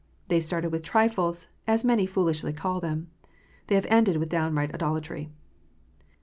They started with trifles, as many foolishly call them. They have ended with downright idolatry.